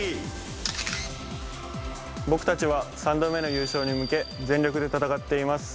僕たちは３度目の優勝に向け全力で戦っています。